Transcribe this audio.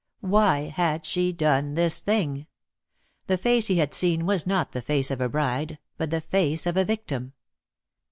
Why had she done this thing? The face he had seen was not the face of a bride, but the face of a victim.